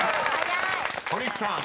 ［堀内さん